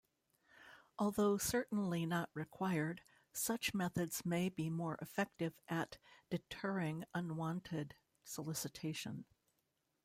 Although certainly not required, such methods may be more effective at deterring unwanted solicitation.